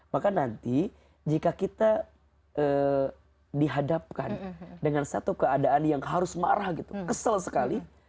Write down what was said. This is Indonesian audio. maka nanti jika kita dihadapkan dengan satu keadaan yang harus marah gitu kesel sekali